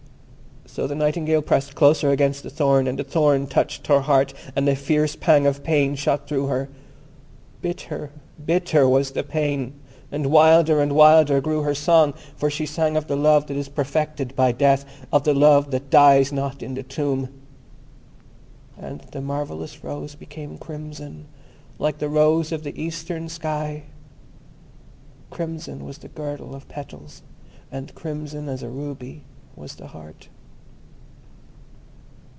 So the Nightingale pressed closer against the thorn, and the thorn touched her heart, and a fierce pang of pain shot through her. Bitter, bitter was the pain, and wilder and wilder grew her song, for she sang of the Love that is perfected by Death, of the Love that dies not in the tomb. And the marvellous rose became crimson, like the rose of the eastern sky. Crimson was the girdle of petals, and crimson as a ruby was the heart.